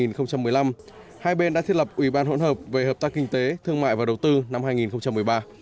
năm hai nghìn một mươi năm hai bên đã thiết lập ủy ban hỗn hợp về hợp tác kinh tế thương mại và đầu tư năm hai nghìn một mươi ba